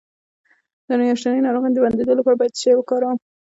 د میاشتنۍ ناروغۍ د بندیدو لپاره باید څه شی وکاروم؟